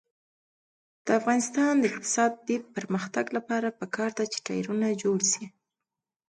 د افغانستان د اقتصادي پرمختګ لپاره پکار ده چې ټایرونه جوړ شي.